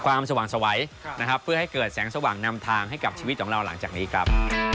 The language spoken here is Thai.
สว่างสวัยนะครับเพื่อให้เกิดแสงสว่างนำทางให้กับชีวิตของเราหลังจากนี้ครับ